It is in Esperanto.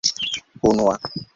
unua